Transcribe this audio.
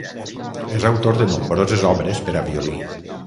És autor de nombroses obres per a violí.